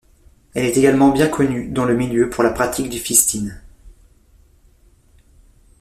Elle est également bien connue dans le milieu pour la pratique du fisting.